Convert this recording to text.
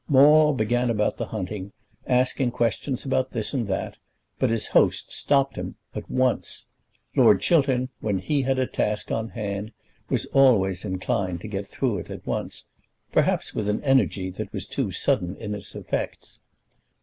Maule began about the hunting, asking questions about this and that, but his host stopped him at once. Lord Chiltern, when he had a task on hand, was always inclined to get through it at once, perhaps with an energy that was too sudden in its effects.